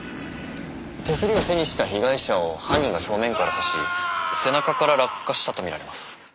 手すりを背にした被害者を犯人が正面から刺し背中から落下したとみられます。